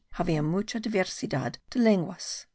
Havia mucha diversidad de lenguas.